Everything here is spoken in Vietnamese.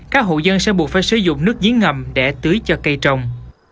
các hộ dân sẽ buộc phải sử dụng nước giếng ngầm để tưới cho cây trồng